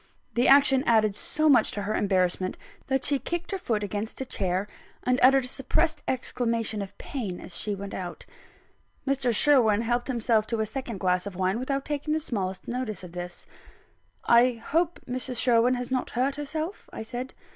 The action added so much to her embarrassment that she kicked her foot against a chair, and uttered a suppressed exclamation of pain as she went out. Mr. Sherwin helped himself to a second glass of wine, without taking the smallest notice of this. "I hope Mrs. Sherwin has not hurt herself?" I said.